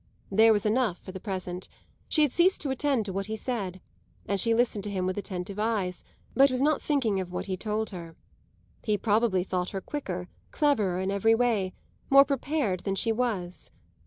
There was enough for the present; she had ceased to attend to what he said; she listened to him with attentive eyes, but was not thinking of what he told her. He probably thought her quicker, cleverer in every way, more prepared, than she was.